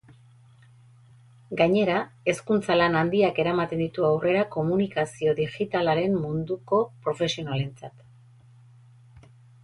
Gainera, hezkuntza lan handiak eramaten ditu aurrera komunikazio digitalaren munduko profesionalentzat.